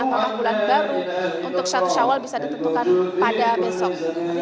atau bulan baru untuk satu syawal bisa ditentukan pada besok